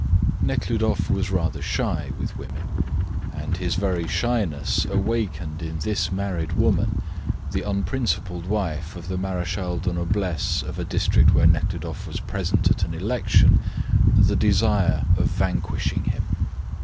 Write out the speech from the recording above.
Nekhludoff was rather shy with women, and his very shyness awakened in this married woman, the unprincipled wife of the marechal de noblesse of a district where Nekhludoff was present at an election, the desire of vanquishing him.